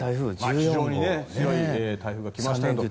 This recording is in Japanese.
非常に強い台風が来ましたけど。